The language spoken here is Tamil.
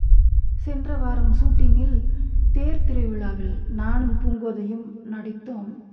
சென்ற வாரம் சூட்டிங்கில் தேர்த் திருவிழாவில் – நானும் பூங்கோதையும் நடித்தோம்.